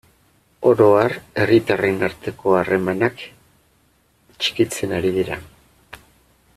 Oro har, herritarren arteko harremanak txikitzen ari dira.